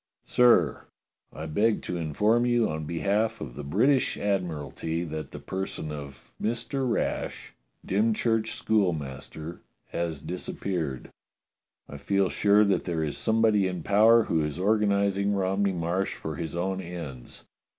"Sir: I beg to inform you on behalf of the British Admi ralty that the person of Mister Rash, Dymchurch school master, has disappeared. I feel sure that there is somebody in power who is organizing Romney Marsh for his own ends.